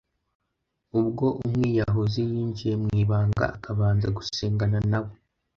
ubwo umwiyahuzi yinjiye mu ibanga akabanza gusengana na bo